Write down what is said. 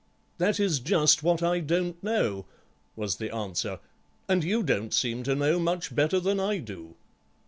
"That is just what I don't know," was the answer; "and you don't seem to know much better than I do."